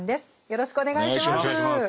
よろしくお願いします。